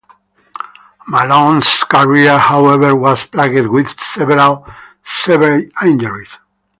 Malone's career, however, was plagued with several severe injuries.